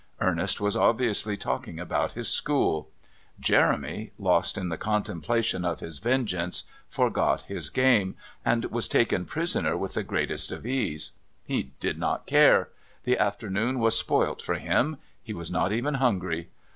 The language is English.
Ernest was obviously talking about his school. Jeremy, lost in the contemplation of his vengeance, forgot his game, and was taken prisoner with the greatest of ease. He did not care. The afternoon was spoilt for him. He was not even hungry.